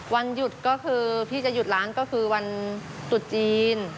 วันหยุดก็คือพี่จะหยุดร้านก็คือวันตรุษจีน